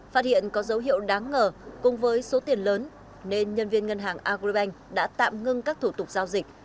phát hiện có dấu hiệu đáng ngờ cùng với số tiền lớn nên nhân viên ngân hàng agribank đã tạm ngưng các thủ tục giao dịch